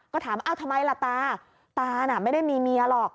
ก็ถามเอ้าทำไมล่ะตาตาน่ะไม่ได้มีเมียหรอก